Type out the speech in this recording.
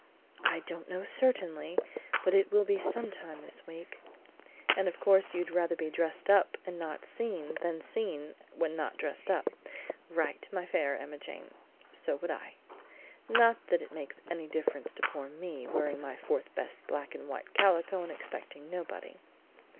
"I don't know certainly, but it will be some time this week." "And of course you'd rather be dressed up and not seen, than seen when not dressed up. Right, my Fair Emmajane; so would I. Not that it makes any difference to poor me, wearing my fourth best black and white calico and expecting nobody.